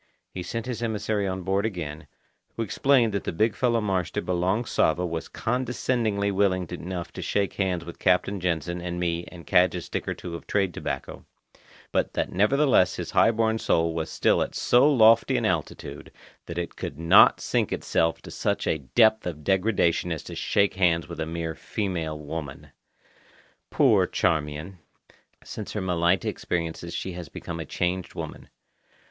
He sent his emissary on board again, who explained that the big fella marster belong Suava was condescendingly willing enough to shake hands with Captain Jansen and me and cadge a stick or so of trade tobacco, but that nevertheless his high born soul was still at so lofty an altitude that it could not sink itself to such a depth of degradation as to shake hands with a mere female woman. Poor Charmian! Since her Malaita experiences she has become a changed woman.